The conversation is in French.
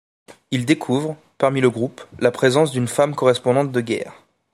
Il découvre, parmi le groupe, la présence d'une femme correspondante de guerre...